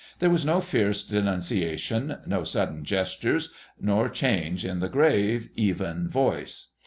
There was no fierce denunciation, no sudden gestures nor change in the grave, even voice.